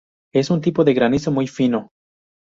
Es un tipo de granizo muy fino.